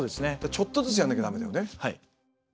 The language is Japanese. ちょっとずつやらなきゃ駄目だよね。